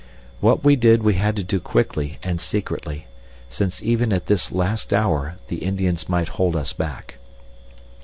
What we did we had to do quickly and secretly, since even at this last hour the Indians might hold us back.